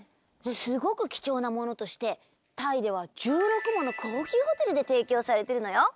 すごく貴重なものとしてタイでは１６もの高級ホテルで提供されてるのよ！